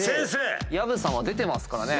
薮さんは出てますからね。